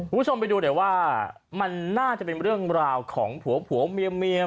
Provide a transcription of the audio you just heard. ผู้ชมไปดูนะว่าน่าจะเป็นเรื่องราวของผัวผัวเมียม